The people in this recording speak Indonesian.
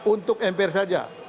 untuk mpr saja